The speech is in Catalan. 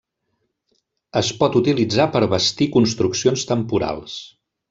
Es pot utilitzar per bastir construccions temporals.